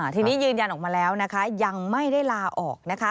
ทีนี้ยืนยันออกมาแล้วนะคะยังไม่ได้ลาออกนะคะ